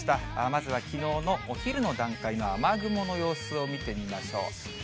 まずはきのうのお昼の段階の雨雲の様子を見てみましょう。